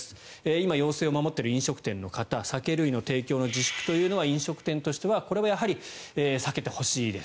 今、要請を守っている飲食店の方酒類の提供の自粛というのはこれは飲食店としてはやはり避けてほしいです。